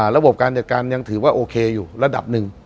ระบบการจัดการยังถือว่าโอเคอยู่ระดับหนึ่ง